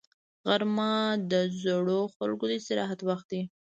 غرمه د زړو خلکو د استراحت وخت دی